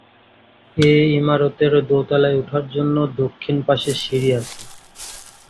এ ইমারতের দোতালায় উঠার জন্য দক্ষিণ পাশে সিড়ি আছে।